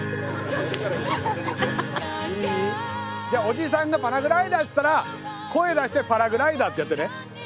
じゃおじさんが「パラグライダー」っつったら声出してパラグライダーってやってね。